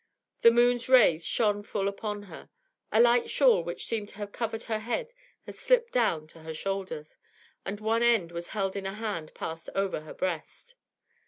The moon's rays shone full upon her; a light shawl which seemed to have covered her head had slipped down to her shoulders, and one end was held in a hand passed over her breast.